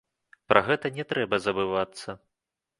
Пра гэта не трэба забывацца.